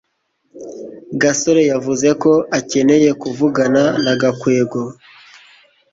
gasore yavuze ko akeneye kuvugana na gakwego